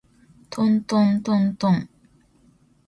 とんとんとんとん